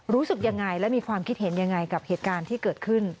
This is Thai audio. รู้สึกยังไงและมีความคิดเห็นยังไงกับเหตุการณ์ที่เกิดขึ้น